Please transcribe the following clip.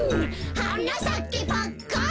「はなさけパッカン」